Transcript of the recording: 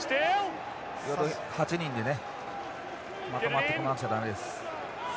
８人でねまとまってくれなくちゃ駄目です。